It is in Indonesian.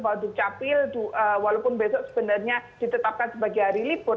bahwa dukcapil walaupun besok sebenarnya ditetapkan sebagai hari libur